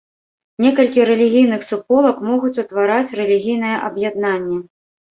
Некалькі рэлігійных суполак могуць утвараць рэлігійнае аб'яднанне.